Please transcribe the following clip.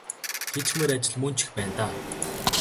Хийчихмээр ажил мөн ч их байна даа.